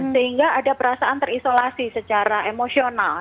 sehingga ada perasaan terisolasi secara emosional